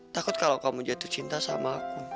takut kalau kamu jatuh cinta sama aku